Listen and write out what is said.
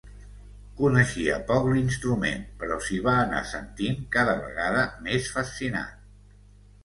Coneixia poc l'instrument, però s'hi va anar sentint cada vegada més fascinat.